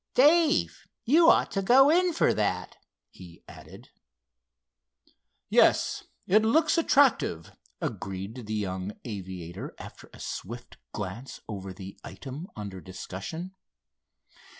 "Dave, you ought to go in for that," he added. "Yes, it looks attractive," agreed the young aviator after a swift glance over the item under discussion.